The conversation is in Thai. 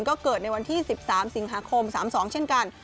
ก็เกิดในวันที่๑๓สิงหาคม๓๒เช่นกัน